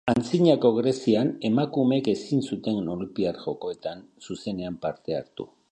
Antzinako Grezian emakumeek ezin zuten Olinpiar Jokoetan zuzenean parte hartu.